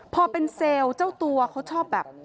พอเป็นเซลล์เจ้าตัวเขาชอบแบบ